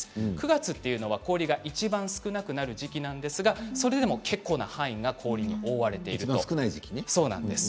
９月というのは、氷がいちばん少なくなる時期なんですがそれでも結構な範囲が氷に覆われているんです。